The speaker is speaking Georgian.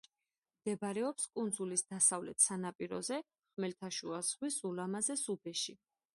მდებარეობს კუნძულის დასავლეთ სანაპიროზე, ხმელთაშუა ზღვის ულამაზეს უბეში.